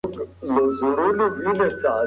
بد عمل انسان شرمنده کوي.